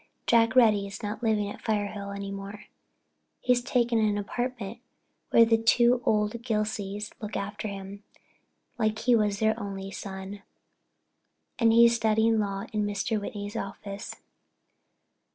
Jack Reddy's not living at Firehill any more. He's taken an apartment in town where the two old Gilseys look after him like he was their only son, and he's studying law in Mr. Whitney's office.